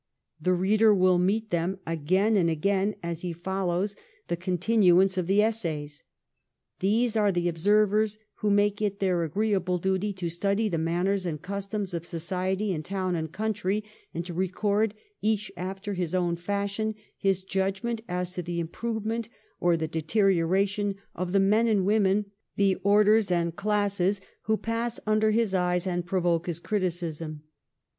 The reader will meet them again and again as he follows the continuance of the essays. These are the ob servers who make it their agreeable duty to study the manners and customs of society in town and country, and to record, each after his own fashion, his judg ment as to the improvement or the deterioration of the men and women, the orders and classes, who pass under his eyes and provoke his criticism.